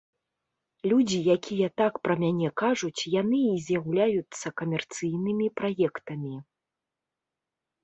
Людзі, якія так пра мяне кажуць, яны і з'яўляюцца камерцыйнымі праектамі.